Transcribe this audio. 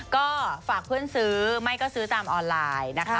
ก็ฝากเพื่อนซื้อไม่ก็ซื้อตามออนไลน์นะคะ